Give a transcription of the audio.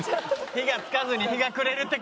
火がつかずに日が暮れるってか！